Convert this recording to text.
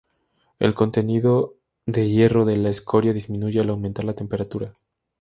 El contenido de hierro de la escoria disminuye al aumentar la temperatura.